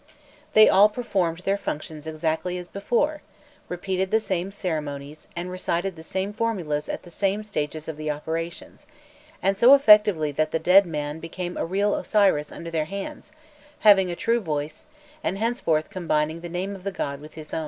They all performed their functions exactly as before, repeated the same ceremonies, and recited the same formulas at the same stages of the operations, and so effectively that the dead man became a real Osiris under their hands, having a true voice, and henceforth combining the name of the god with his own.